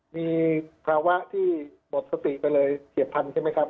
มีภาวะที่หมดสติไปเลยเฉียบพันธุใช่ไหมครับ